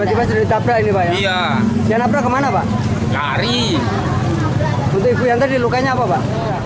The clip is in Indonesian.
ibu yang tadi lukanya apa pak